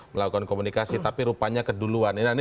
melakukan komunikasi tapi rupanya keduluan